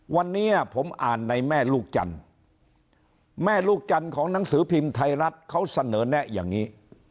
วันนี้ผมอ่านในแม่ลูกจันทร์แม่ลูกจันทร์ของหนังสือพิมพ์ไทยรัฐเขาเสนอแนะอย่างนี้